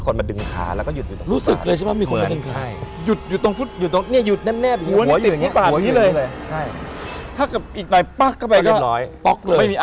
ตรงหน้าอกจะมี๕๒